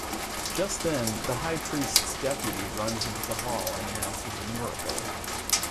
Just then, the high priest's deputy runs into the hall and announces a miracle.